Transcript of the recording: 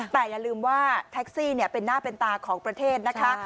แต่อย่าลืมว่าแท็กซี่เป็นหน้าเป็นตาของประเทศนะคะ